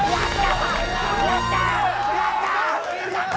やった！